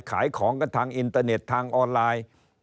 ขายของกันทางอินเตอร์เน็ตทางออนไลน์